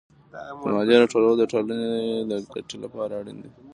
د مالیې راټولول د ټولنې د ګټې لپاره اړین دي.